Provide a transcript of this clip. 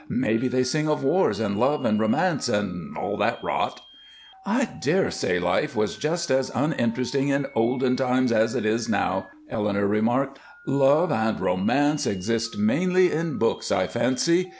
Maybe they sing of wars and love and romance and all that rot." "I dare say life was just as uninteresting in olden days as it is now," Eleanor remarked. "Love and romance exist mainly in books, I fancy.